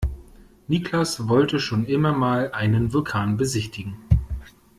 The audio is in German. Niklas wollte schon immer mal einen Vulkan besichtigen.